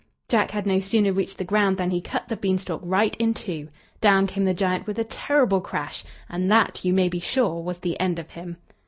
Jack had no sooner reached the ground than he cut the beanstalk right in two. Down came the giant with a terrible crash, and that, you may be sure, was the end of him.